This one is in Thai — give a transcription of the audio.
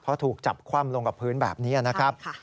เพราะถูกจับคว่ำลงกับพื้นแบบนี้นะครับ